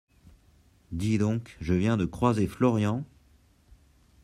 Dis donc, je viens de croiser Florian.